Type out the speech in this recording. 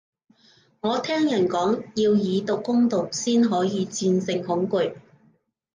我聽人講，要以毒攻毒先可以戰勝恐懼